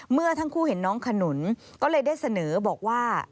เมื่อทั้งคู่เห็นน้องขนุนก็เลยได้เสนอบอกว่า